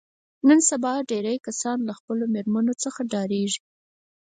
نن سبا ډېری کسان له خپلو مېرمنو څخه ډارېږي.